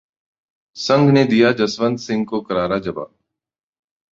संघ ने दिया जसवंत सिंह को करारा जवाब